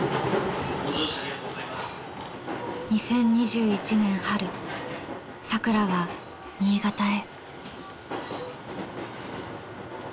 ２０２１年春さくらは新潟へ。